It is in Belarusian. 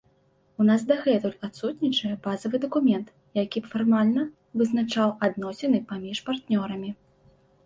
У нас дагэтуль адсутнічае базавы дакумент, які б фармальна вызначаў адносіны паміж партнёрамі.